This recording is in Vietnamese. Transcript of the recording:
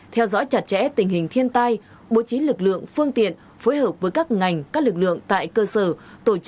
theo dõi chặt chẽ tình hình thiên tai bố trí lực lượng phương tiện phối hợp với các ngành các lực lượng tại cơ sở